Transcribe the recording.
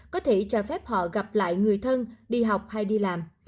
có thể cho phép họ gặp lại người thân đi học hay đi làm